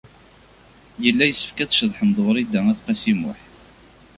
Yella yessefk ad ceḍḥen ed Wrida n At Qasi Muḥ.